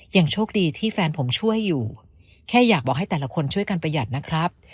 ยังโชคดีที่แฟนผมช่วยอยู่แค่อยากบอกให้แต่ละคนช่วยกันประหยัดนะครับ